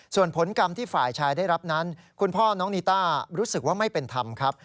ส่วนผลกรรมที่ฝ่ายชายได้รับนั้นคุณพ่อน้องนีต้ารู้สึกว่าไม่เป็นธรรมครับ